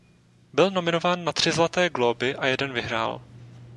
Byl nominován na tři Zlaté glóby a jeden vyhrál.